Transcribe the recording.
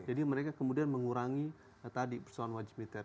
jadi mereka kemudian mengurangi tadi persoalan wajib militer